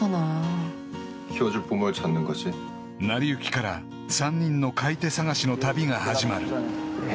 ［成り行きから３人の買い手探しの旅が始まる］